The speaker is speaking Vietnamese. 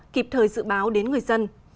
kịp thời dự báo đến người dân